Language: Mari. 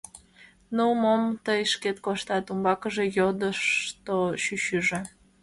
— Ну, мом тый шкет коштат? — умбакыже йодышто чӱчӱжӧ.